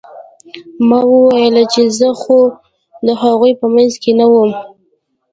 ما وويل چې زه خو د هغوى په منځ کښې نه وم.